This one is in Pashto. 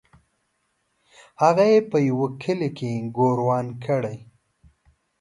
هغه یې په یوه کلي کې ګوروان کړی.